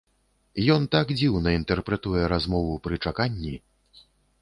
Ён так дзіўна інтэрпрэтуе размову пры чаканні.